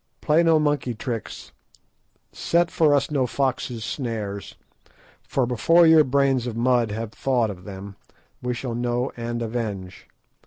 Play us no monkey tricks, set for us no foxes' snares, for before your brains of mud have thought of them we shall know and avenge.